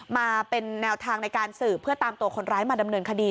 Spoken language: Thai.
มาเป็นแนวทางในการสืบเพื่อตามตัวคนร้ายมาดำเนินคดี